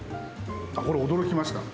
これ驚きました。